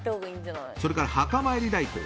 それから墓参り代行。